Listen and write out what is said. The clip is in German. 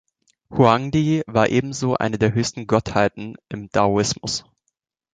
Huangdi war ebenso eine der höchsten Gottheiten im Daoismus.